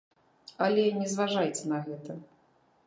Але не зважайце на гэта.